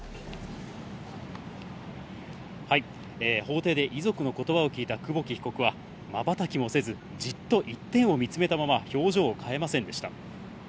法廷で遺族の言葉を聞いた久保木被告は、まばたきもせず、じっと一点を見つめたまま、表情を変えませんでした。